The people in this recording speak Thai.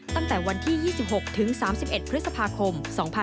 ตั้งแต่วันที่๒๖ถึง๓๑พฤษภาคม๒๕๖๒